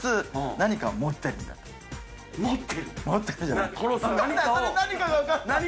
何かが分かんない。